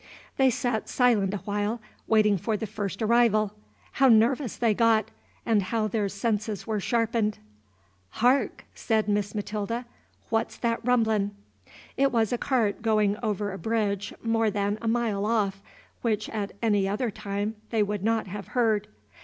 They sat silent awhile, waiting for the first arrival. How nervous they got! and how their senses were sharpened! "Hark!" said Miss Matilda, "what 's that rumblin'?" It was a cart going over a bridge more than a mile off, which at any other time they would not have heard.